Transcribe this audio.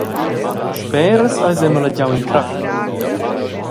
Speras eis ei malegiau in crap.